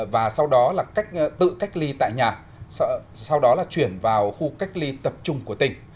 và sau đó tự cách ly tại nhà sau đó chuyển vào khu cách ly tập trung của tỉnh